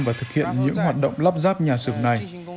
và thực hiện những hoạt động lắp ráp nhà xưởng này